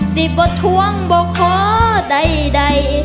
สิบบ่ทวงบ่ขอใด